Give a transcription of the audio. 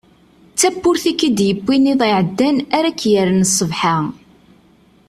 D tawwurt ik-id-yewwin iḍ iɛeddan ara ak-yerren sbeḥ-a.